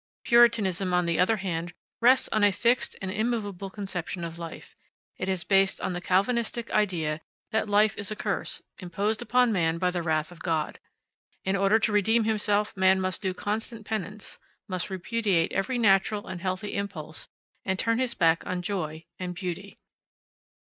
Puritanism, on the other hand, rests on a fixed and immovable conception of life; it is based on the Calvinistic idea that life is a curse, imposed upon man by the wrath of God. In order to redeem himself man must do constant penance, must repudiate every natural and healthy impulse, and turn his back on joy and beauty.